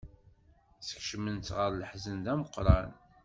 Skecmen-tt ɣer leḥzen d ameqran.